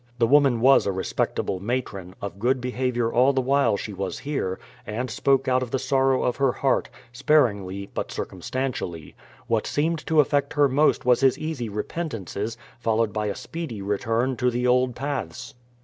The woman was a respectable matron, of good behaviour all the while she was here, and spoke out of the sorrow of her heart, sparingly, but circumstantially. What seemed to affect her most was his easy repentances, followed by a speedy return to the old paths.